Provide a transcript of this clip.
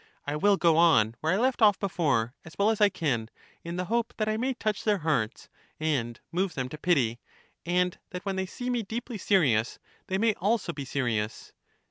I will go on where I left off before, as well as I can, in the hope that I may touch their hearts and move them to pity, and that when they see me deeply serious, they may also be serious.